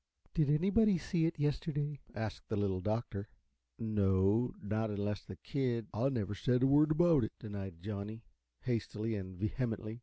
"Did anybody see it yesterday?" asked the Little Doctor. "No not unless the kid " "I never said a word about it," denied Johnny, hastily and vehemently.